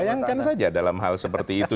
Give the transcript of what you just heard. bayangkan saja dalam hal seperti itu